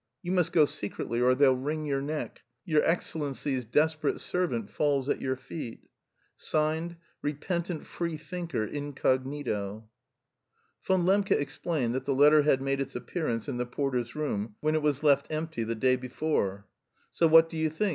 You must go secretly or they'll wring your neck. Your excellency's desperate servant falls at your feet. "Repentant free thinker incognito." Von Lembke explained that the letter had made its appearance in the porter's room when it was left empty the day before. "So what do you think?"